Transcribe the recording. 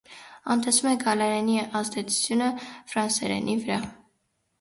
Անտեսվում է գալլերենի ազդեցությունը ֆրանսերենի վրա։